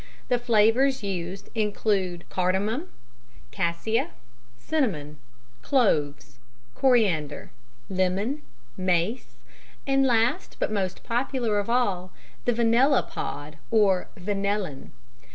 The flavours used include cardamom, cassia, cinnamon, cloves, coriander, lemon, mace, and last but most popular of all, the vanilla pod or vanillin.